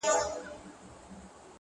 ستا د سترگو جام مي د زړه ور مات كـړ-